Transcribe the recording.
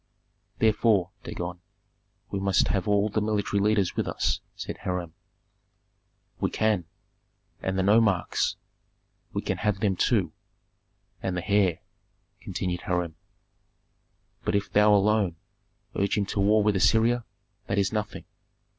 "Therefore, Dagon, we must have all the military leaders with us," said Hiram. "We can." "And the nomarchs." "We can have them too." "And the heir," continued Hiram. "But if thou alone urge him to war with Assyria, that is nothing.